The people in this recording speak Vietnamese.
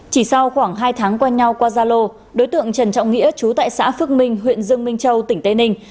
chỉ sau khoảng hai tháng quen nhau qua gia lô đối tượng trần trọng nghĩa chú tại xã phước minh huyện dương minh châu tỉnh tây ninh